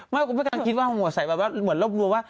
ไม่กูก็ไม่กลัวคิดว่าหมดใส่แบบว่าหวัดหลบหลัวว่า